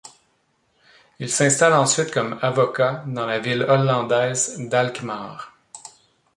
Il s'installe ensuite comme avocat dans la ville hollandaise d'Alkmaar.